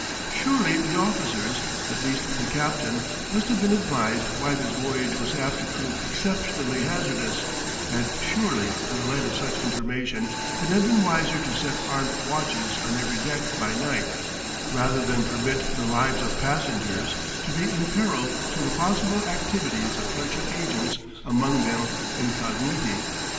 Surely the officers, at least the captain, must have been advised why this voyage was apt to prove exceptionally hazardous; and surely in the light of such information it had been wiser to set armed watches on every deck by night, rather than permit the lives of passengers to be imperilled through the possible activities of Prussian agents among them incogniti.